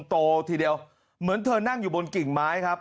โตทีเดียวเหมือนเธอนั่งอยู่บนกิ่งไม้ครับ